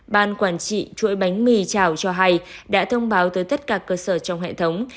ban quản trị chuỗi bánh mì chảo cho hay đã thông báo tới tất cả cơ sở trong hệ thống